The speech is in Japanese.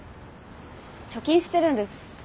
貯金してるんです。